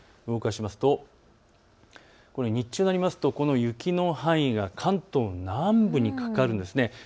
動かしますと日中になりますと雪の範囲が関東南部にかかるんです。